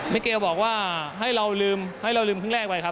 เกลบอกว่าให้เราลืมให้เราลืมครึ่งแรกไปครับ